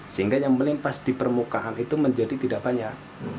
sehingga yang melimpas di permukaan itu menjadi tidak banyak